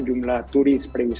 jumlah turis prekonsumsi